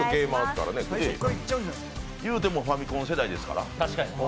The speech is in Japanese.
言うてもファミコン世代ですから。